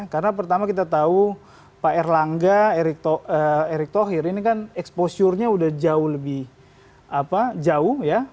karena pertama kita tahu pak erlangga erik tohir ini kan exposure nya udah jauh lebih jauh ya